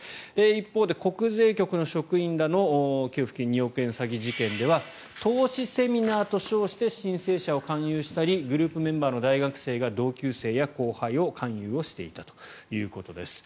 一方で国税局の職員らの給付金２億円詐欺事件では投資セミナーと称して申請者を勧誘したりグループメンバーの大学生が同級生や後輩を勧誘していたということです。